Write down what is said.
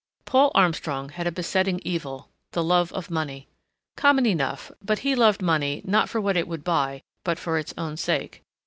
Paul Armstrong had a besetting evil—the love of money. Common enough, but he loved money, not for what it would buy, but for its own sake.